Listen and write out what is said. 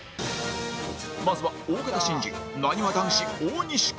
まずは大型新人なにわ男子大西君